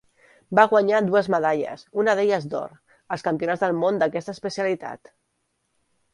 Va guanyar dues medalles, una d'elles d'or, als Campionats del món d'aquesta especialitat.